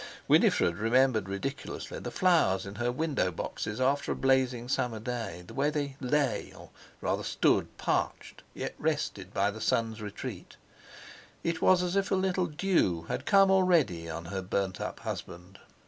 Winifred remembered ridiculously the flowers in her window boxes after a blazing summer day; the way they lay, or rather stood—parched, yet rested by the sun's retreat. It was as if a little dew had come already on her burnt up husband.